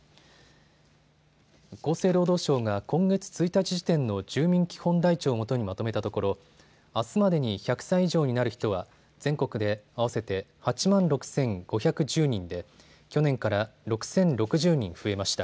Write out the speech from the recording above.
厚生労働省が今月１日時点の住民基本台帳をもとにまとめたところあすまでに１００歳以上になる人は全国で合わせて８万６５１０人で去年から６０６０人増えました。